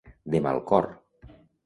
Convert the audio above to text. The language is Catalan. De mal cor.